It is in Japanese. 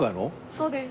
そうです。